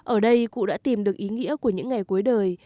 ở đây cụ đã tìm được ý nghĩa của những ngày cuối đời